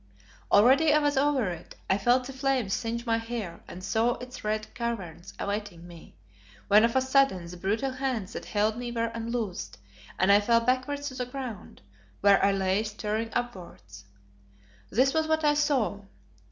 Already I was over it; I felt the flames singe my hair and saw its red caverns awaiting me, when of a sudden the brutal hands that held me were unloosed and I fell backwards to the ground, where I lay staring upwards. This was what I saw.